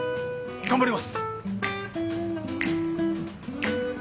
頑張ります！